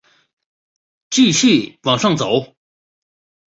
继续往上走